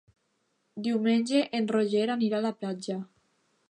Diumenge en Roger anirà a la platja.